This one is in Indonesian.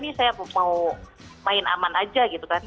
jadi saya mau main aman aja gitu kan